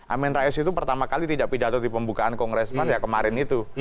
amin rais itu pertama kali tidak pidato di pembukaan kongres pan ya kemarin itu